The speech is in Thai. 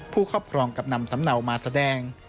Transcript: ครอบครองกับนำสำเนามาแสดง